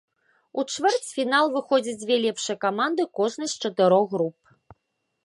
У чвэрцьфінал выходзяць дзве лепшыя каманды кожнай з чатырох груп.